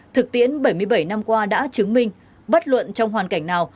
thực tiễn bảy mươi bảy năm qua đã chứng minh bất luận trong hoàn cảnh nào